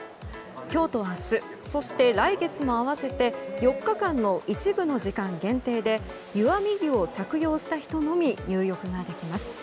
今日と明日そして来月も合わせて４日間の一部の時間限定で湯あみ着を着用した人のみ入浴ができます。